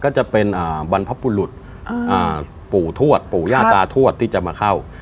ก็จะเป็นบรรพบุรุษปู่ทวดปู่ย่าตาทวดที่จะมาเข้า